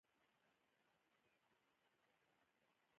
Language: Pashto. په افغانستان کې د کلیو تاریخ ډېر اوږد دی.